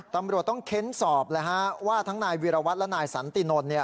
ตำรวจต้องเค้นสอบเลยฮะว่าทั้งนายวิรวัตรและนายสันตินนท์เนี่ย